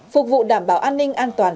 phục vụ đảm bảo an ninh an toàn